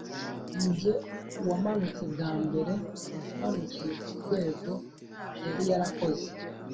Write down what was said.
Ni jye wamanutse bwa mbere manukiye ku rwego yari yarakoze